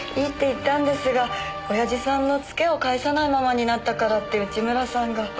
いいって言ったんですがオヤジさんのツケを返さないままになったからって内村さんが。